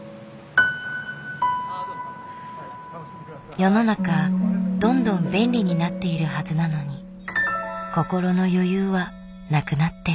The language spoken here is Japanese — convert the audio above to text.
世の中どんどん便利になっているはずなのに心の余裕はなくなってる。